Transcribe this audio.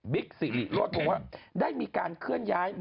บิ๊กสี่หลีโลดวงว่าได้มีการเคลื่อนย้าย